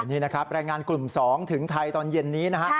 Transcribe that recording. นี่นะครับแรงงานกลุ่ม๒ถึงไทยตอนเย็นนี้นะครับ